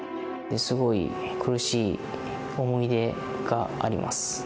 すごい苦しい思い出があります。